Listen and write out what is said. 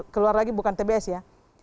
keluar lagi bukan tbs ya